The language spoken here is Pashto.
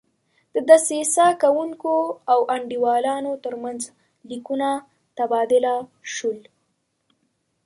د دسیسه کوونکو او انډیوالانو ترمنځ لیکونه تبادله شول.